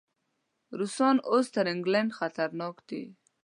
روسان اوس تر انګلینډ خطرناک دي.